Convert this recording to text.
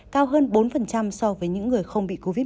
cao hơn bốn so với những người không bị covid một mươi chín